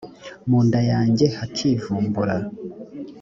mu nda yanjye hakivumbura